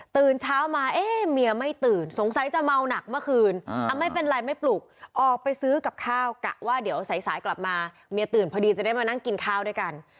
ตื่นเช้ามาเอ๊ะเมียไม่ตื่นสงสัยจะเมาหนักเมื่อคืนไม่เป็นไรไม่ปลุกออกไปซื้อกับข้าวกะว่าเดี๋ยวสายกลับมาเมียตื่นพอดีจะได้มานั่งกินข้าวด้วยกัน